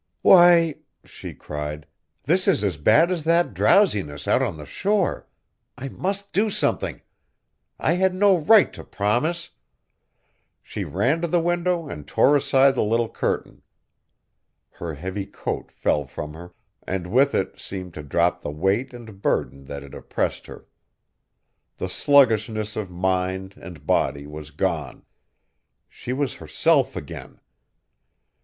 "Why!" she cried, "this is as bad as that drowsiness out on the shore. I must do something! I had no right to promise!" She ran to the window and tore aside the little curtain. Her heavy coat fell from her, and with it seemed to drop the weight and burden that had oppressed her. The sluggishness of mind and body was gone. She was herself again!